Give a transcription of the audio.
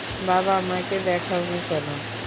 বাবা, আমাকে দেখাও নি কেনো?